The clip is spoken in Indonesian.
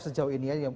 sejauh ini ya